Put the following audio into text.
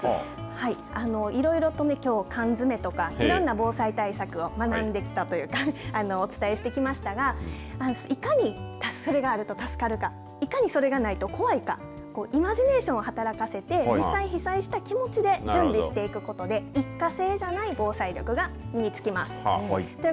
いろいろとね、きょう缶詰とかいろんな防災対策を学んできたというかお伝えしてきましたがいかにそれがないと怖いかイマジネーションを働かせて実際被災した気持ちで準備していくことで一過性じゃない防災力が身につきます。